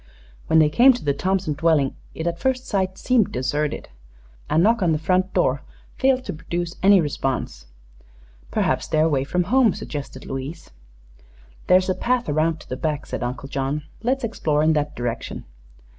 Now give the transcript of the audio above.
When they came to the Thompson dwelling it at first sight seemed deserted. A knock on the front door failed to produce any response. "Perhaps they're away from home," suggested Louise. "There's a path around to the back," said Uncle John. "Let's explore in that direction."